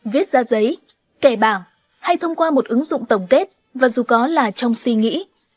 viết ra giấy kẻ bảng hay thông qua một ứng dụng tổng kết và dù có là trong suy nghĩ